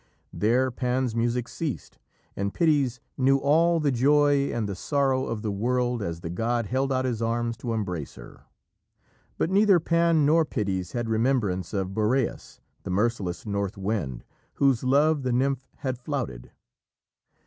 There Pan's music ceased, and Pitys knew all the joy and the sorrow of the world as the god held out his arms to embrace her. But neither Pan nor Pitys had remembrance of Boreas, the merciless north wind, whose love the nymph had flouted.